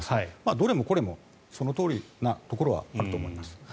どれもこれもそのとおりなところはあると思います。